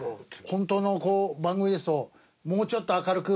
ホントのこう番組ですと「もうちょっと明るく」